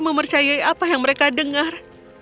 mempercayai apa yang mereka dengar